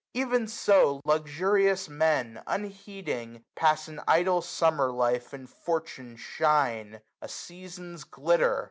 345 Ev*n so luxurious Men, unheeding, pass An idle summer life in fortune's shine ; A season's glitter